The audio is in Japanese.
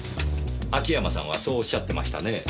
秋山さんはそうおっしゃってましたねぇ。